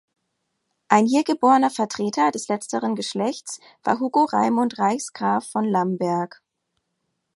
Ein hier geborener Vertreter des letzteren Geschlechtes war Hugo Raimund Reichsgraf von Lamberg.